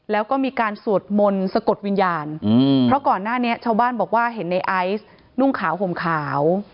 แล้วก็มีการสวดมนต์สะกดวิญญาณเพราะก่อนหน้านี้ชาวบ้านบอกว่าเห็นในไอซ์นุ่งขาวห่มขาว